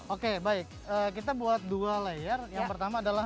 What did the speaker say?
oke baik kita buat dua layer yang pertama adalah